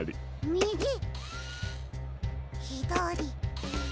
みぎひだり。